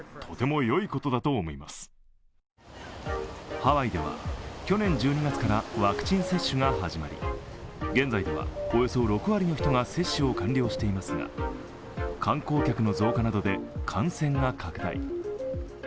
ハワイでは去年１２月からワクチン接種が始まり、現在では、およそ６割の人が接種を完了していますが観光客の増加などで感染が拡大。